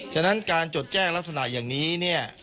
ฉะนั้นการจดแจ้งลักษณะอย่างนี้เนี่ย